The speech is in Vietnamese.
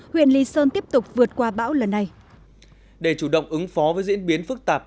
huyện lý sơn tiếp tục vượt qua bão lần này để chủ động ứng phó với diễn biến phức tạp